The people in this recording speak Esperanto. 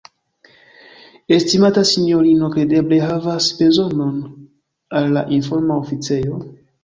Estimata sinjorino kredeble havas bezonon al la informa oficejo?